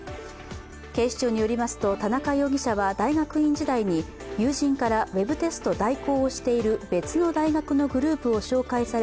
警視庁によりますと田中容疑者は大学院時代に友人からウェブテスト代行をしている別の大学のグループを紹介され、